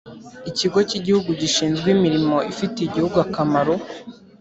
Ikigo cy’igihugu gishinzwe imirimo ifitiye igihugu akamaro.